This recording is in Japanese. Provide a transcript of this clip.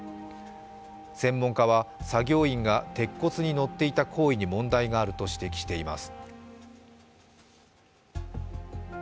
専門家は、作業員が鉄骨に乗っていた行為に問題があると指摘しています。